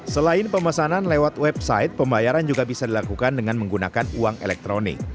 selain pemesanan lewat website pembayaran juga bisa dilakukan dengan menggunakan uang elektronik